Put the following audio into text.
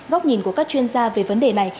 góc nhìn của các chuyên gia về vấn đề này